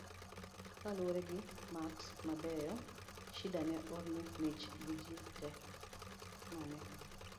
kaluwore gi maks mabeyo, Shida ne omi mich gi ji te mane